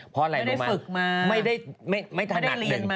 ไม่ได้ฝึกมาไม่ได้เรียนมาไม่ทันัดหนึ่ง